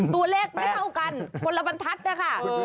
ตัวเลขไม่เท่ากันมันละมันทัดนะคะ